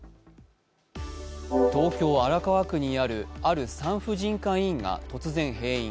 東京・荒川区にあるある産婦人科医院が突然、閉院。